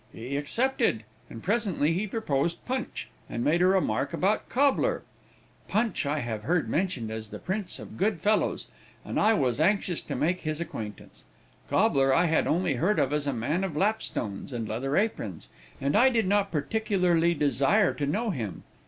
He accepted, and presently he proposed punch, and made a remark about cobbler. Punch I had heard mentioned as the prince of good fellows, and I was anxious to make his acquaintance. Cobbler I had only heard of as a man of lapstones and leather aprons, and I did not particularly desire to know him.